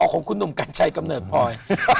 ของคุณหนุ่มกัญชัยกำเนิดพลอย